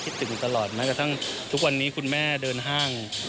ถึงตลอดแม้กระทั่งทุกวันนี้คุณแม่เดินห้าง